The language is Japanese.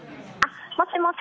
もしもし。